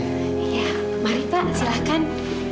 iya mari pak silahkan